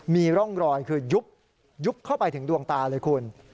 มีร่องรอยคือยุบเข้าไปถึงดวงตาเลยคุณ